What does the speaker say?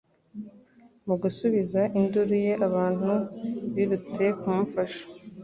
Mu gusubiza induru ye, abantu birutse kumufasha.